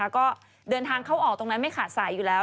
ก็เดินทางเข้าออกตรงนั้นไม่ขาดสายอยู่แล้ว